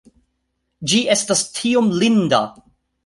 Ĝi estas tiom linda!